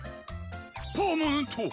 パーマネント！？